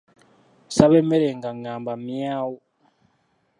Nsaba emmere nga ngamba, myawu.